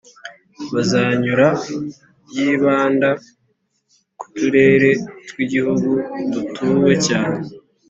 bazanyura, yibanda ku turere tw'igihugu dutuwe cyane,